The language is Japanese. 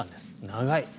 長い。